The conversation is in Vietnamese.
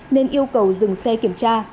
nên yêu cầu dừng xe kiểm tra